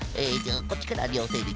こっちからりょうせいるい。